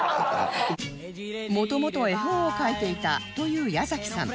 元々は絵本を描いていたという矢崎さん